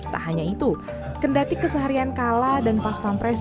tak hanya itu kendati keseharian kala dan pas pampres